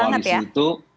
karena kalau dalam polisi itu